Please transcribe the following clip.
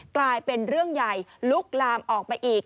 กลายเป็นเรื่องใหญ่ลุกลามออกไปอีก